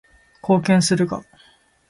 貢献するが